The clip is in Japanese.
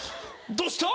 どうした？